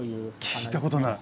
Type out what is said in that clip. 聞いたことない。